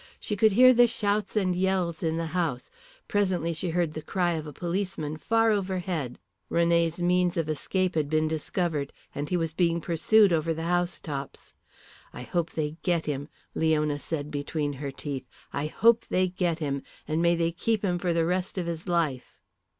She could hear the shouts and yells in the house; presently she heard the cry of a policeman far overhead. René's means of escape had been discovered, and he was being pursued over the housetops. "I hope they get him," Leona said between her teeth. "I hope they get him. And may they keep him for the rest of his life."